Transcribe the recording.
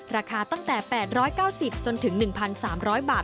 ราคาตั้งแต่๘๙๐จนถึง๑๓๐๐บาท